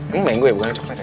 ini mango ya bukan coklat ya